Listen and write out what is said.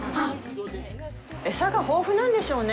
餌が豊富なんでしょうね。